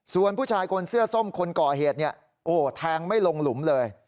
ส่วนผู้ชายคนเสื้อส้มคนก่อเหตุเนี่ยโอ้แทงไม่ลงหลุมเลย